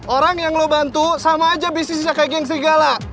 orang yang lu bantu sama aja bisnisnya kayak geng sigala